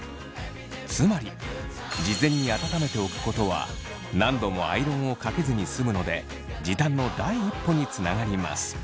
つまり事前に温めておくことは何度もアイロンをかけずに済むので時短の第一歩につながります。